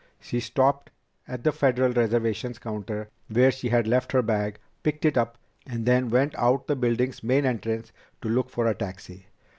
She stopped at the Federal reservations counter where she had left her bag, picked it up, and then went out the building's main entrance to look for a taxi.